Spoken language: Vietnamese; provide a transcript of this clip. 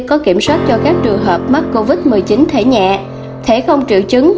có kiểm soát cho các trường hợp mắc covid một mươi chín thể nhẹ thẻ không triệu chứng